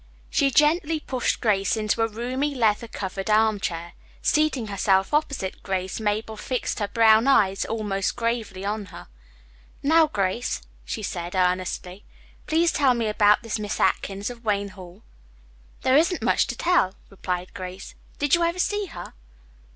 She gently pushed Grace into a roomy leather covered armchair. Seating herself opposite Grace, Mabel fixed her brown eyes almost gravely on her. "Now, Grace," she said earnestly, "please tell me about this Miss Atkins of Wayne Hall." "There isn't much to tell," replied Grace. "Did you ever see her?"